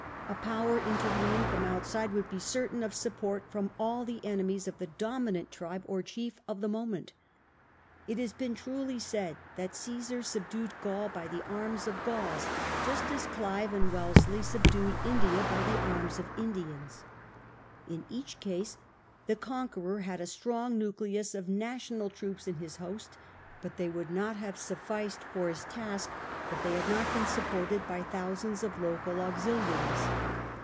A power intervening from outside would be certain of support from all the enemies of the dominant tribe or chief of the moment. It has been truly said that Caesar subdued Gaul by the arms of Gauls, just as Clive or Wellesley subdued India by the arms of Indians. In each case the conqueror had a strong nucleus of national troops in his host, but they would not have sufficed for his task if they had not been supported by thousands of local auxiliaries.